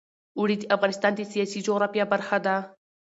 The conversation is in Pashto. اوړي د افغانستان د سیاسي جغرافیه برخه ده.